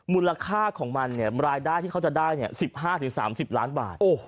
มูลค่าของมันเนี่ยรายได้ที่เขาจะได้๑๕๓๐ล้านบาท